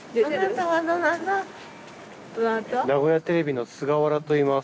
名古屋テレビの菅原といいます。